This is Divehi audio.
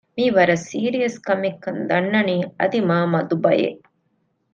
މިއީ ވަރަށް ސީރިއަސް ކަމެއް ކަން ދަންނަނީ އަދި މާ މަދު ބަޔެއް